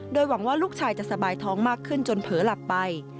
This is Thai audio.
โดยหวังว่าลูกชายจะสบายท้องมากขึ้นจนเผลอหลับไป